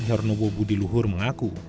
hernobo budiluhur mengaku